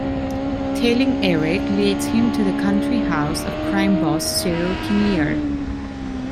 Tailing Eric leads him to the country house of crime boss Cyril Kinnear.